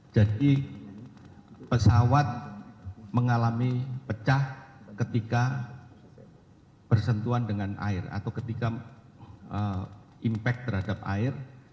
jadi pesawat mengalami pecah ketika bersentuhan dengan air atau ketika impact terhadap air